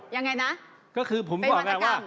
ยังไงนะไปวาธกรรม